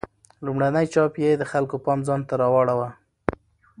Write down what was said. لومړنی چاپ یې د خلکو پام ځانته راواړاوه.